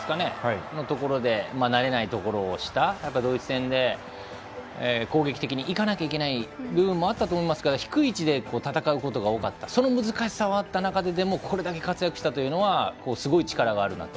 その所で慣れないことをしたドイツ戦で攻撃的にいかなきゃいけない部分もあったと思いますから低い位置で戦うことが多かったその難しさはあった中でもこれだけ活躍したのはすごい力があるなと。